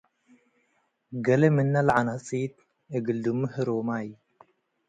ገሌ ምነ ለዐነጺ'ት፤ “እግል ድሙ' ህሮማይ